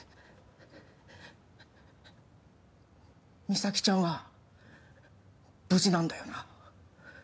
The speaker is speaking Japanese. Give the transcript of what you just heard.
実咲ちゃんは無事なんだよな？